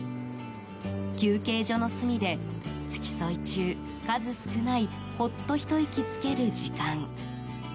休憩所の隅で付き添い中数少ないほっとひと息つける時間。